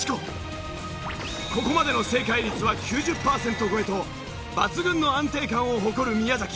ここまでの正解率は９０パーセント超えと抜群の安定感を誇る宮崎。